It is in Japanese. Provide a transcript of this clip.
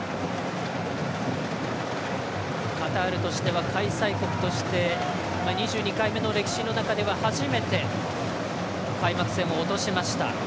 カタールとしては開催国として２２回目の歴史の中では初めて開幕戦を落としました。